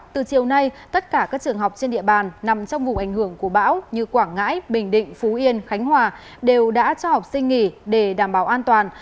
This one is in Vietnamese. từ chiều nay tất cả các trường học trên địa bàn nằm trong vùng ảnh hưởng của bão như quảng ngãi bình định phú yên khánh hòa đều đã cho học sinh nghỉ để đảm bảo an toàn